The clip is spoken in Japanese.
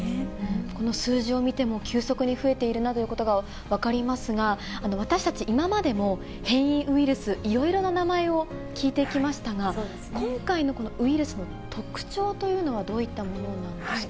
この数字を見ても、急速に増えているなということが分かりますが、私たち、今までも変異ウイルス、いろいろな名前を聞いてきましたが、今回のこのウイルスの特徴というのはどういったものなんですか。